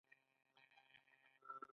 آیا د کثافاتو ریسایکل کیږي؟